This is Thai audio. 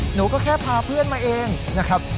หนูก็แค่พาเพื่อนมาเองนะครับ